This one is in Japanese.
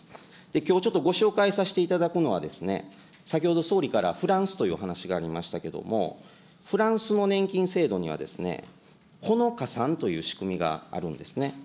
きょう、ちょっとご紹介させていただくのは、先ほど総理から、フランスというお話がありましたけども、フランスの年金制度には、子の加算という仕組みがあるんですね。